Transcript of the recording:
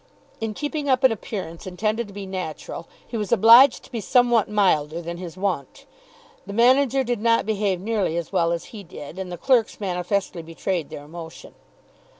In keeping up an appearance intended to be natural he was obliged to be somewhat milder than his wont. The manager did not behave nearly as well as he did, and the clerks manifestly betrayed their emotion.